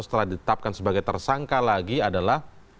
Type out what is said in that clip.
setelah ditetapkan sebagai tersangka lagi adalah